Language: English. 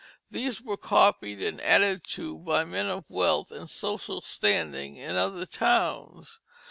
These were copied and added to by men of wealth and social standing in other towns.